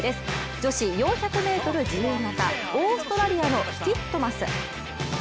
女子４００ｍ自由形、オーストラリアのティットマス。